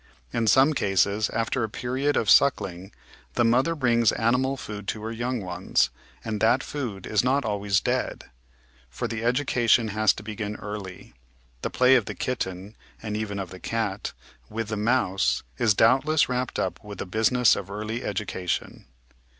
In some cases, after a period of suckling, the mother brings animal food to her young ones, and that food is not always dead. For the education has to begin early. The play of the kitten (and even of the cat) with the mouse is doubtless wrapped up with the business of early education.